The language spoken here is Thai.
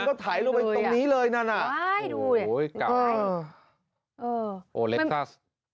คนก็ถ่ายลงไปตรงนี้เลยน่ะอุ้ยเจ้าไง